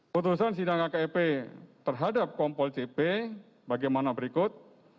putusan sidang akep terhadap kompol cp bagaimana berikut